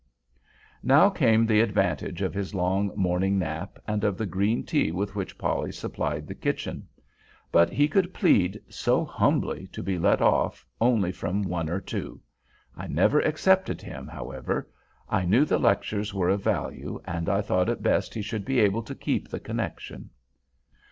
Now came the advantage of his long morning nap, and of the green tea with which Polly supplied the kitchen. But he would plead, so humbly, to be let off, only from one or two! I never excepted him, however. I knew the lectures were of value, and I thought it best he should be able to keep the connection.